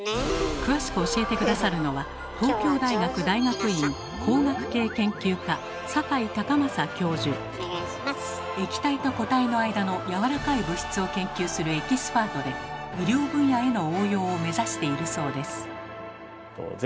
詳しく教えて下さるのは液体と固体の間のやわらかい物質を研究するエキスパートで医療分野への応用を目指しているそうです。